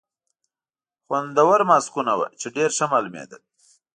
خوندور ماسکونه وو، چې ډېر ښه معلومېدل.